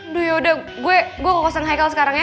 aduh yaudah gue ke kosan haikal sekarang ya